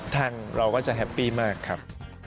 ทางเราก็จะแฮปปี้มากครับ